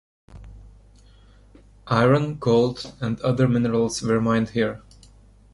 Iron, gold and other minerals were mined here.